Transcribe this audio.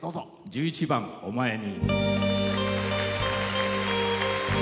１１番「おまえに」。